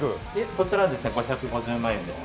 こちらはですね５５０万円で。